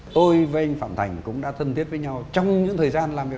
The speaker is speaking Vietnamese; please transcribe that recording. tôi với anh phạm thành cũng đã thân thiết với nhau trong những thời gian làm việc